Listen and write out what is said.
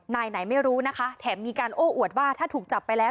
นายไหนไม่รู้นะคะแถมมีการโอ้อวดว่าถ้าถูกจับไปแล้ว